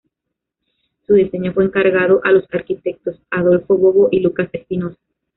Su diseño fue encargado a los arquitectos "Adolfo Bobo" y "Lucas Espinosa".